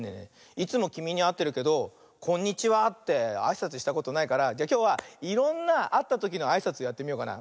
いつもきみにあってるけど「こんにちは」ってあいさつしたことないからじゃあきょうはいろんなあったときのあいさつをやってみようかな。